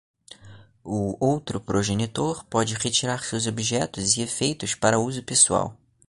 O outro progenitor pode retirar seus objetos e efeitos para uso pessoal.